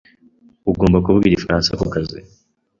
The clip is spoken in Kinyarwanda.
agomba kuvuga igifaransa kukazi.